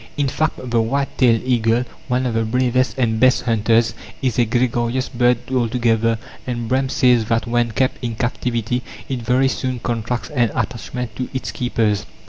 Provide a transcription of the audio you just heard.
In fact, the white tailed eagle one of the bravest and best hunters is a gregarious bird altogether, and Brehm says that when kept in captivity it very soon contracts an attachment to its keepers.